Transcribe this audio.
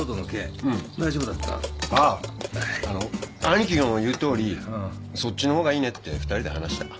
兄貴の言うとおりそっちの方がいいねって２人で話した。